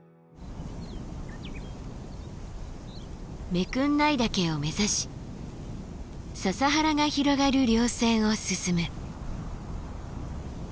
目国内岳を目指しササ原が広がる稜線を進む。